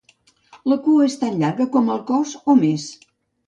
La cua és tan llarga com el cos o més.